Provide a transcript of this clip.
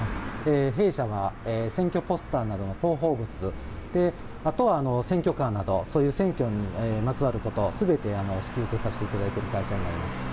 弊社は、選挙ポスターなどの広報物、あとは選挙カーなど、そういう選挙にまつわることをすべて引き受けさせていただいている会社になります。